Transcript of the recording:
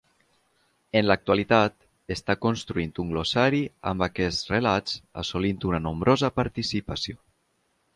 En l'actualitat, està construint un glossari amb aquests relats assolint una nombrosa participació.